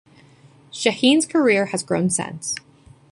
Sheheen's career has grown since.